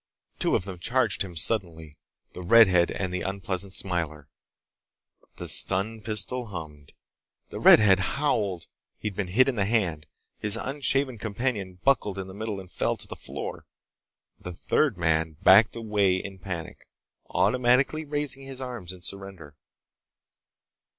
Two of them charged him suddenly—the redhead and the unpleasant smiler. The stun pistol hummed. The redhead howled. He'd been hit in the hand. His unshaven companion buckled in the middle and fell to the floor. The third man backed away in panic, automatically raising his arms in surrender.